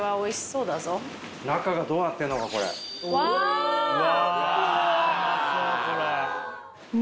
うわ！